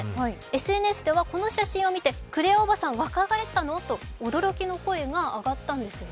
ＳＮＳではこの写真を見て、クレアおばさん若返ったの？と驚きの声が上がったんです。